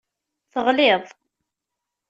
Teɣliḍ.